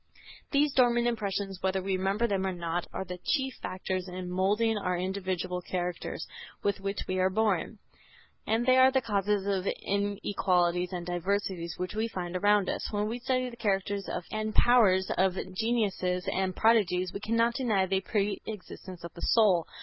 These dormant impressions, whether we remember them or not, are the chief factors in moulding our individual characters with which we are born, and they are the causes of the inequalities and diversities which we find around us. When we study the characters and powers of geniuses and prodigies we cannot deny the pre existence of the soul.